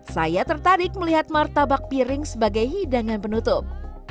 saya tertarik melihat martabak piring sebagai hidangan penutup